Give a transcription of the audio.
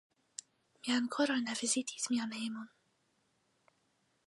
Mi ankoraŭ ne vizitis mian hejmon.